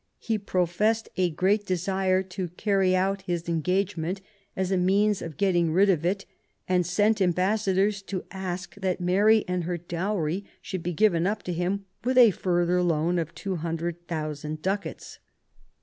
He professed a great desire to carry out his engagement as a means of getting rid of it^ and sent ambassadors to ask that Mary and her dowry should be given up to him, with a further loan of 200,000 ducats.